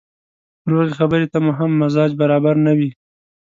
روغې خبرې ته مو هم مزاج برابره نه وي.